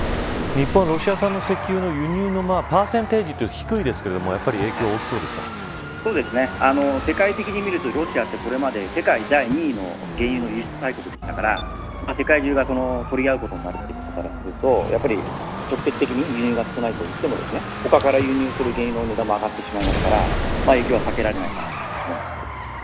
日本はロシア産の石油の輸入のパーセンテージは低いですが世界的にみるとロシアはこれまで世界第２位の原油の輸出大国でしたから世界中が取り合うことになるということからすると直接的に輸入が少ないといっても他から輸入する原油の値段も上がるので影響は避けられないかなと思います。